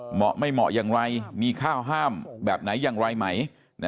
เหมาะไม่เหมาะอย่างไรมีข้าวห้ามแบบไหนอย่างไรไหม